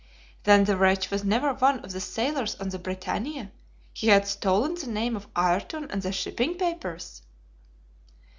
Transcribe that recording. "Then the wretch was never one of the sailors on the BRITANNIA; he had stolen the name of Ayrton and the shipping papers."